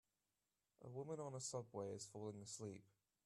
A woman on a subway is falling asleep